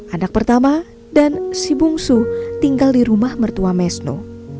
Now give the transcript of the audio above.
anak pertama dan si bungsu tinggal di rumah mertua mesno